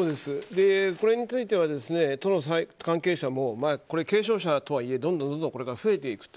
これについては都の関係者も軽症者とはいえ、これからどんどん増えていくと。